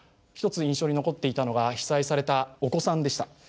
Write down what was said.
一つ印象に残っていたのが被災されたお子さんでした。